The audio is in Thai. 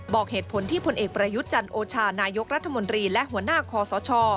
บอกเหตุผลที่ผลเอกประยุทธ์จันโอชานายกรัฐมนตรีและหัวหน้าคอสช